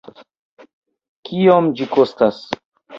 Kiom ĝi kostas?